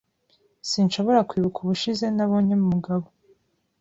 Sinshobora kwibuka ubushize nabonye Mugabo.